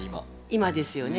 今ですよね。